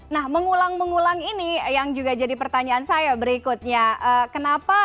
nah mengulang mengulang ini yang juga jadi pertanyaan saya berikutnya kenapa